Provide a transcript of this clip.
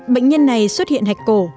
bệnh nhân này xuất hiện hạch cổ